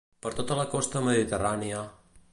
Per tota la costa mediterrània...